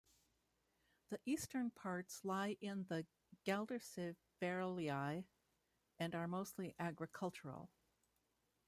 The eastern parts lie in the Gelderse Vallei and are mostly agricultural.